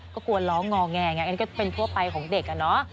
ก็กลัวล้องงอแงนี่ก็เป็นทั่วไปของเด็กน่ะ